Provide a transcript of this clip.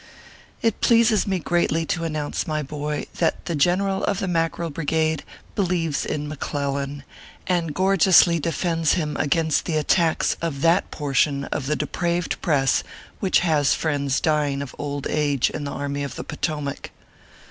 It pleases me greatly to announce, my boy, that the General of the Mackerel Brigade believes in McClellan, and gorgeously defends him against the attacks of that portion of the depraved press which has friends dying of old age in the Army of the Potomac.